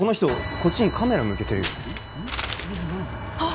こっちにカメラ向けてるよあっ